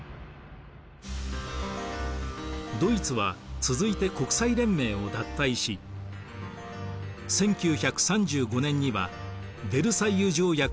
ドイツは続いて国際連盟を脱退し１９３５年にはヴェルサイユ条約に違反して再軍備を宣言。